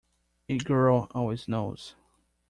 A girl always knows.